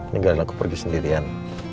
nilainya aku pergi sendirian